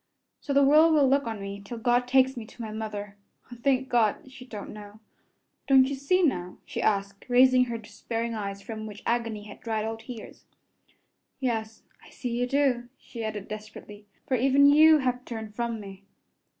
So the world will look on me till God takes me to my mother. O, thank God! She don't know. Don' you see, now?" she asked, raising her despairing eyes from which agony had dried all tears. "Yes, I see you do," she added desperately, "for even you have turned from me."